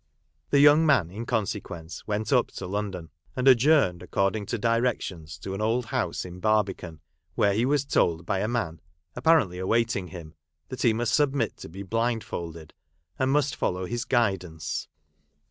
The young man, in consequence, went up to London ; and adjourned, accord ing to directions, to an old house in Bar bican ; where he was told by a man, ap parently awaiting him, that lie must submit to be blindfolded, and must follow his guidance.